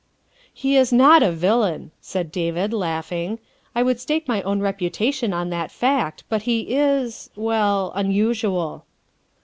''" He is not a villain," said David, laughing, " I would stake my own reputation on that fact, but he is well, unusual."